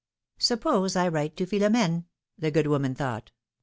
Suppose I write to Philom^ne?" the good woman thought.